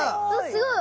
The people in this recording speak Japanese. すごい！